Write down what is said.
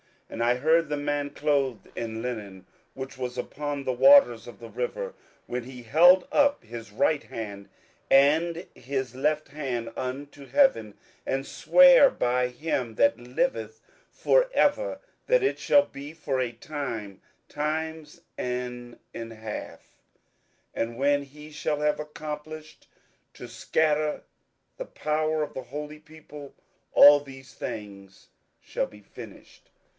27:012:007 And I heard the man clothed in linen, which was upon the waters of the river, when he held up his right hand and his left hand unto heaven, and sware by him that liveth for ever that it shall be for a time, times, and an half; and when he shall have accomplished to scatter the power of the holy people, all these things shall be finished.